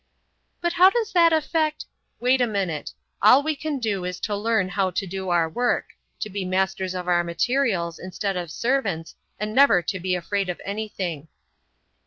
"But how does that affect——" "Wait a minute. All we can do is to learn how to do our work, to be masters of our materials instead of servants, and never to be afraid of anything."